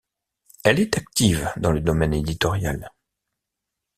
Elle est active dans le domaine éditorial.